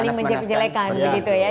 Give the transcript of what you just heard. saling menjelek jelekan begitu ya